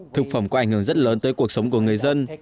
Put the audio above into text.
thực phẩm có ảnh hưởng rất lớn tới cuộc sống của người dân